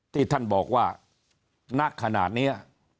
ที่ท่านบอกว่าณขนาดนี้